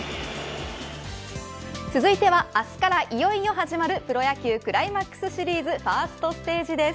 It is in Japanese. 続いては明日からいよいよ始まるプロ野球クライマックスシリーズファーストステージです。